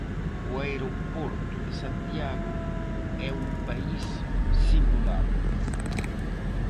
O aeroporto de Santiago é un país simulado.